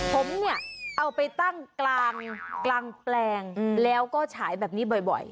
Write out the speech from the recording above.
ผมเนี่ยเอาไปตั้งกลางแปลงแล้วก็ฉายแบบนี้บ่อย